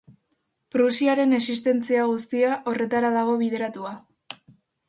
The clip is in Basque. Prusiaren existentzia guztia horretara dago bideratua.